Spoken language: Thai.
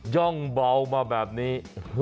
่องเบามาแบบนี้